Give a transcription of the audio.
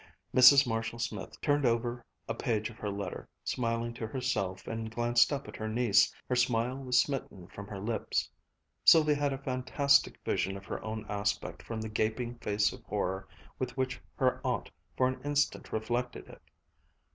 Mrs. Marshall Smith turned over a page of her letter, smiling to herself, and glanced up at her niece. Her smile was smitten from her lips. Sylvia had a fantastic vision of her own aspect from the gaping face of horror with which her aunt for an instant reflected it.